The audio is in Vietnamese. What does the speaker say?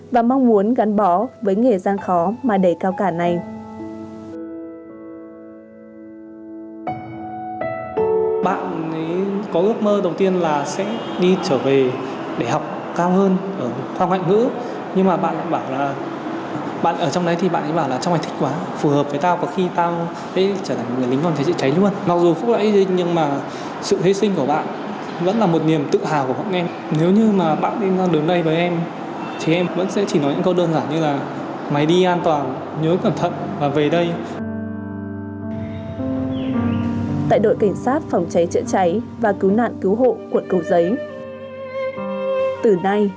và mong muốn gắn bó với nghề gian khó mà đầy cao cả này